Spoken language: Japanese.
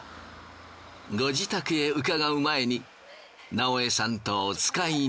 ご自宅へ伺う前に直江さんとおつかいに。